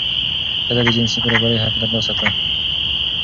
ښځو د جنسیتي برابرۍ حق ترلاسه کړ.